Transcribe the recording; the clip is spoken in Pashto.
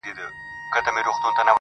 • ناځواني.